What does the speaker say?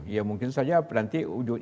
ya mungkin saja nanti